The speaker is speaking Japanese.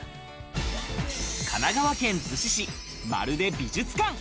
神奈川県逗子市、まるで美術館！